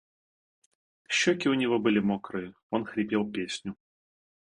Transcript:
щеки у него были мокрые, он хрипел песню